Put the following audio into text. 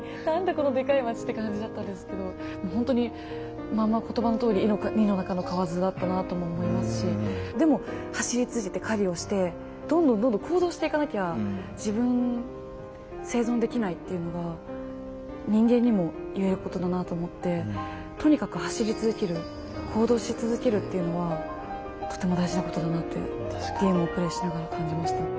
このでかい街って感じだったんですけどほんとにまあまあ言葉のとおり井の中の蛙だったなあとも思いますしでも走り続けて狩りをしてどんどんどんどん行動していかなきゃ自分生存できないっていうのが人間にも言えることだなあと思ってとにかく走り続ける行動し続けるっていうのはとても大事なことだなってゲームをプレイしながら感じました。